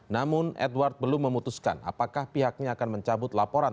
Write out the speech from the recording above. namun edward belum memutuskan apakah pihaknya akan mencabut laporan